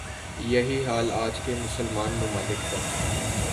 یہی حال آج کے مسلمان ممالک کا